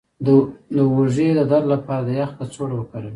د اوږې د درد لپاره د یخ کڅوړه وکاروئ